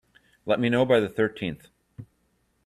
Let me know by the thirteenth.